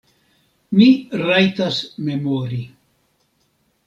Mi rajtas memori.